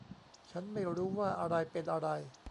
ฉันไม่รู้ว่าอะไรเป็นอะไร